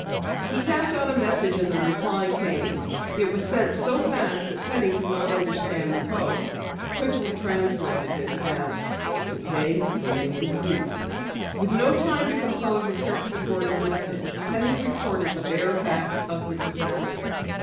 He tapped out a message and the reply came. It was sent so fast that Penny could not understand the code. Quigley translated it as "Okay, but make it brief." With no time to compose a carefully worded message, Penny reported the bare facts of the disaster.